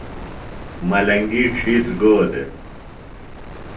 ملنگی ڇِھیتر گو دےۡ؟